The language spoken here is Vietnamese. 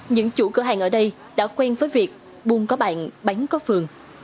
những chủ cửa hàng ở đây đã quen với việc buôn có bạn bán có phường